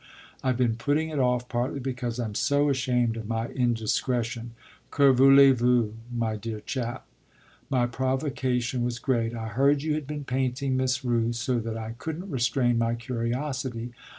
I've been putting it off partly because I'm so ashamed of my indiscretion. Que voulez vous, my dear chap? My provocation was great. I heard you had been painting Miss Rooth, so that I couldn't restrain my curiosity.